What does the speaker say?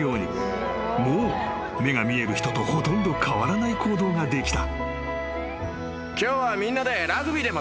［もう目が見える人とほとんど変わらない行動ができた］